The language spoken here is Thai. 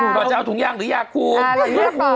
หล่อนจะเอาถุงยางหรือยากคุม